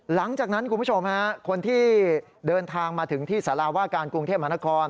หลังจากนั้นคุณผู้ชมฮะคนที่เดินทางมาถึงที่สาราว่าการกรุงเทพมหานคร